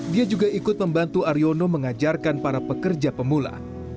dia juga ikut membantu aryono mengajarkan para pekerja pemula